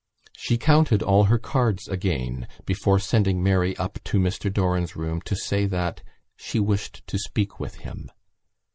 She counted all her cards again before sending Mary up to Mr Doran's room to say that she wished to speak with him.